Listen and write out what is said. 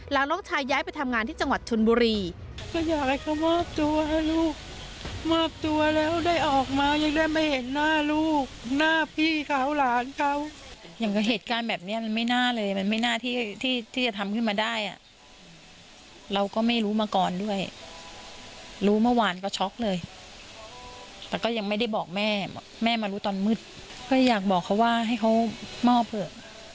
น้องชายย้ายไปทำงานที่จังหวัดชนบุรี